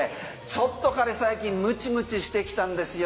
ちょっと彼、最近ムチムチしてきたんですよ。